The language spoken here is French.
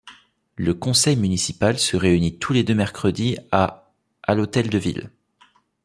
Le conseil municipal se réunit tous les deux mercredis à à l'Hôtel de ville.